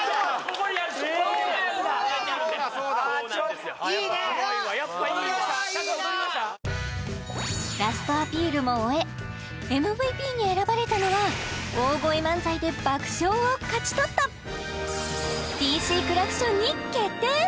・これはいいなラストアピールも終えＭＶＰに選ばれたのは大声漫才で爆笑を勝ち取ったＴＣクラクションに決定！